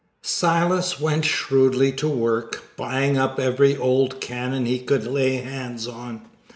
Silas went shrewdly to work, buying up every old cannon he could lay hands on.